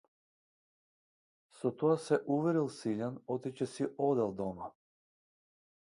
Со тоа се уверил Силјан оти ќе си одел дома.